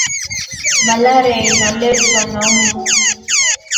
Malaria inaletwa na imbu